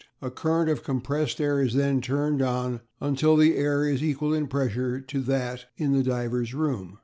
A current of compressed air is then turned on until the air is equal in pressure to that in the divers' room.